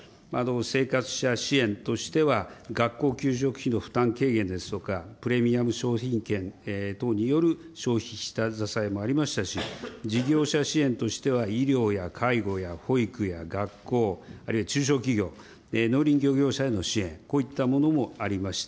生活者支援としては、学校給食費の負担軽減ですとか、プレミアム商品券等による消費下支えもありましたし、事業者支援としては医療や介護や保育や学校、あるいは中小企業、農林漁業者への支援、こういったものもありました。